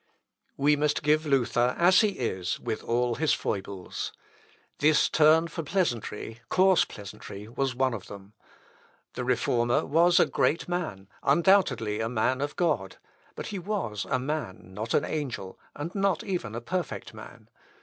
We must give Luther as he is with all his foibles. This turn for pleasantry, coarse pleasantry, was one of them. The Reformer was a great man, undoubtedly a man of God; but he was a man, not an angel, and not even a perfect man.